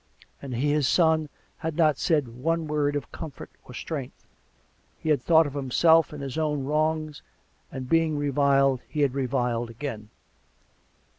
And he, his son, had not said one word of comfort or strength; he had thought of himself and his own wrongs, and being reviled he had reviled again.